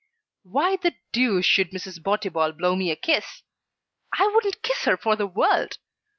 Why the deuce should Mrs. Botibol blow me a kiss? I wouldn't kiss her for the world.